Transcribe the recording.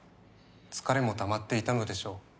疲れもたまっていたのでしょう。